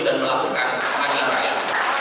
melakukan pengadilan rakyat